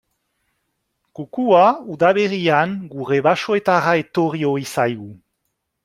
Kukua udaberrian gure basoetara etorri ohi zaigu.